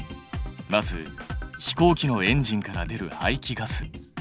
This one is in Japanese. まず飛行機のエンジンから出る排気ガス。